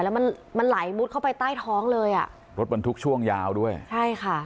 แล้วมันมันไหลมุดเข้าไปใต้ท้องเลยอ่ะรถบรรทุกช่วงยาวด้วยใช่ค่ะ